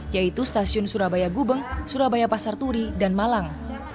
yaitu stasiun surabaya gubeng surabaya pasar turi dan malang